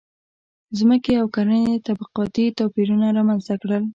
• ځمکې او کرنې طبقاتي توپیرونه رامنځته کړل.